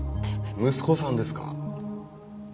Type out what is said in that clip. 息子さんですか？